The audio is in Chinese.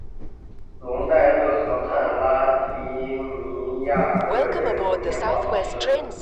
龙代勒河畔拉迪尼亚克人口变化图示